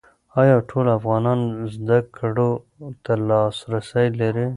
ایا ټول افغانان زده کړو ته لاسرسی لري؟